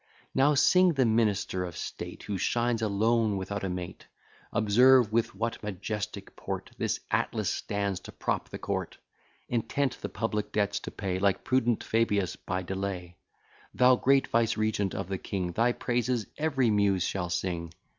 Now sing the minister of state, Who shines alone without a mate. Observe with what majestic port This Atlas stands to prop the court: Intent the public debts to pay, Like prudent Fabius, by delay. Thou great vicegerent of the king, Thy praises every Muse shall sing!